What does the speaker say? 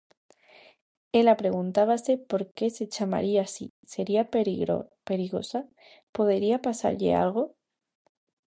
Ela preguntábase por que se chamaría así: sería perigosa? Podería pasarlle algo?